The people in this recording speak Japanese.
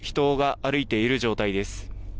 外を人が歩いている状態です。